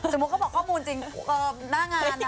เขาบอกข้อมูลจริงหน้างาน